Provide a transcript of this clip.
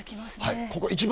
ここ一番